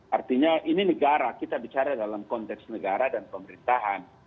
artinya ini negara kita bicara dalam konteks negara dan pemerintahan